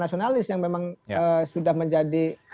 nasionalis yang memang sudah menjadi